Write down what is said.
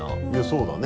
そうだね。